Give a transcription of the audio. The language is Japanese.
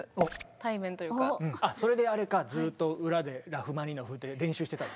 それであれかずっと裏で「ラフマニノフ」って練習してた？